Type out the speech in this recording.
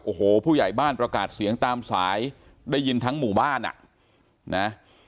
โอ้โหผู้ใหญ่บ้านประกาศเสียงตามสายได้ยินทั้งหมู่บ้านอ่ะนะ